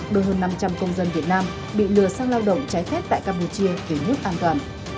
đưa hơn năm trăm linh công dân việt nam bị lừa sang lao động trái phép tại campuchia về nước an toàn